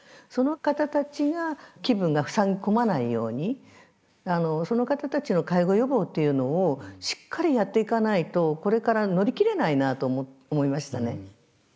その方たちが気分がふさぎ込まないようにその方たちの介護予防っていうのをしっかりやっていかないとこれから乗り切れないなと思いましたね。